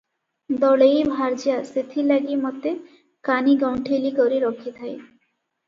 ଦଳେଇ ଭାର୍ଯ୍ୟା ସେଥିଲାଗି ମୋତେ କାନିଗଣ୍ଠିଲି କରି ରଖିଥାଏ ।